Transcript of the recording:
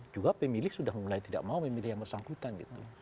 juga pemilih sudah mulai tidak mau memilih yang bersangkutan gitu